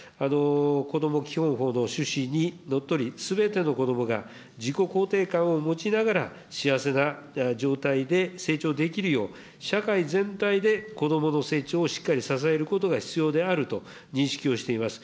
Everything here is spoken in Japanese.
こども基本法の趣旨にのっとり、すべての子どもが自己肯定感を持ちながら、幸せな状態で成長できるよう、社会全体で子どもの成長をしっかり支えることが必要であると認識をしています。